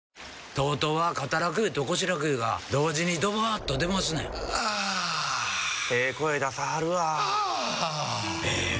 ＴＯＴＯは肩楽湯と腰楽湯が同時にドバーッと出ますねんあええ声出さはるわあええ